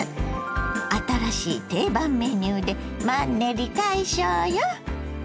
新しい定番メニューでマンネリ解消よ。